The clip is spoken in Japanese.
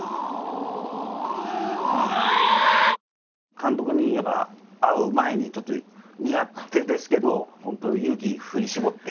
監督にやっぱ会う前にちょっと苦手ですけど本当勇気振り絞って。